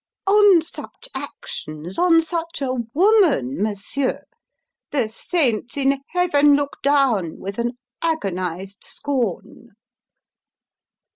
On such actions, on such a woman, Monsieur, the saints in heaven look down with an agonized scorn!"